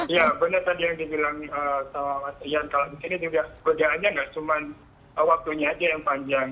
ya benar tadi yang di bilang sama mas rianto ini juga perdaannya gak cuma waktunya aja yang panjang